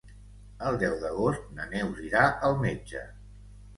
El deu d'agost na Neus irà al metge.